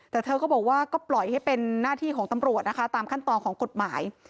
แต่เธอก็บอกว่าก็ปล่อยให้เป็นหน้าที่ของตำรวจนะคะตามขั้นตอนของกฎหมาย